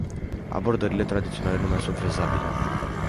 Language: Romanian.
Abordările tradiționale nu mai sunt fezabile.